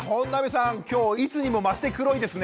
今日いつにもまして黒いですね。